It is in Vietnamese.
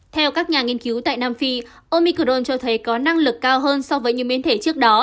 theo các nhà nghiên cứu tại nam phi omicron cho thấy có năng lực cao hơn so với những biến thể trước đó